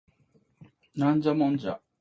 ナンジャモンジャ